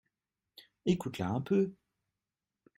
Écoute-la un peu !